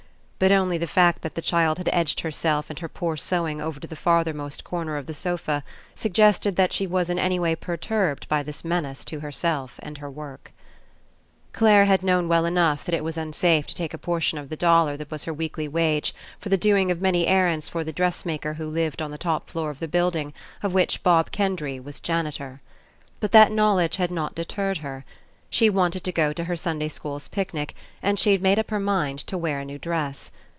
But only the fact that the child had edged herself and her poor sewing over to the farthermost cor ner of the sofa suggested that she was in any way perturbed by this menace to herself and her work. ENCOUNTER Clare had known well enough that it was unsafe to take a portion of the dollar that was her weekly wage for the doing of many errands for the dressmaker who lived on the top floor of the building of which Bob Kendry was janitor. But that knowledge had not de terred her. She wanted to go to her Sunday school's picnic, and she had made up her mind to wear a new dress.